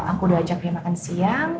aku udah ajak dia makan siang